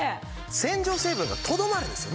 洗浄成分がとどまるんですよね。